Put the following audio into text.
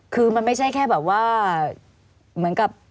คือมันไม่ใช่แค่แบบว่าเหมือนกับ